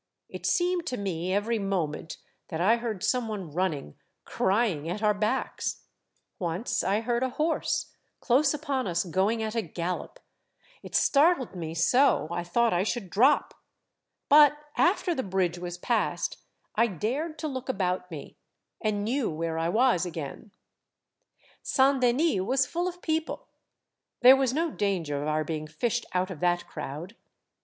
It seemed to me every moment that I heard some one running, crying, at our backs ; once I heard a horse, close upon us, going at a gallop. It startled me so I thought I should drop. But after the bridge was passed, I dared to look about me, and knew where I was again. Saint Denis was full of people. There was no danger of our being fished out of that crowd.